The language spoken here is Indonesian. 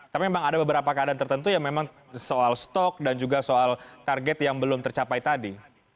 tapi memang ada beberapa keadaan tertentu yang memang soal stok dan juga soal target yang belum tercapai tadi